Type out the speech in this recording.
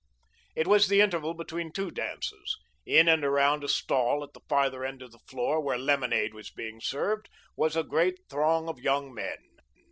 It was the interval between two dances. In and around a stall at the farther end of the floor, where lemonade was being served, was a great throng of young men.